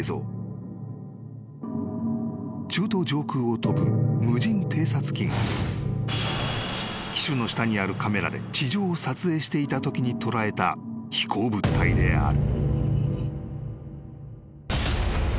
［中東上空を飛ぶ無人偵察機が機首の下にあるカメラで地上を撮影していたときに捉えた飛行物体である］